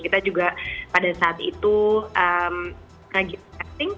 kita juga pada saat itu lagi testing